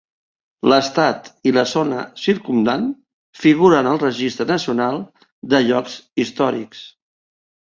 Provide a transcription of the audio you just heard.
L'estat i la zona circumdant figuren al Registre Nacional de Llocs Històrics.